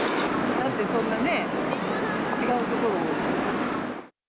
なんでそんなね、違うところを。